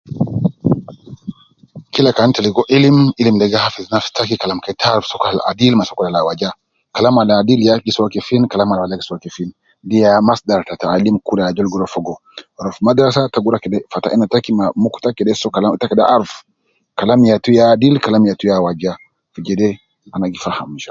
Kila kan ta ligo ilim ,ilim de gi hafidh nafsi taki Kalam ke ta aruf sokol ab adil me sokol ab awaja ,Kalam al adil ya ab gi soo kefin, Kalam ab al awaja gi soo kefin, de ya masdal ta taalim kul ajol gi rua fogo, rua fi madrasa ta gi rua kede fata ena taki me muku taki keta kede soo kalam ta kede aruf, kalam yatu ya adil, kalam yatu ya awaja, fi jede ana gi fa